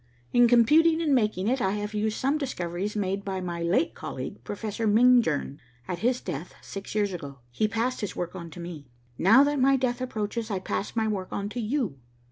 In computing and making it, I have used some discoveries made by my late colleague, Professor Mingern. At his death, six years ago, he passed his work on to me. Now that my death approaches, I pass my work on to you.